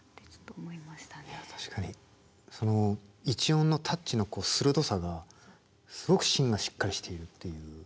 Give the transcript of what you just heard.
一音のタッチの鋭さがすごく芯がしっかりしているっていう。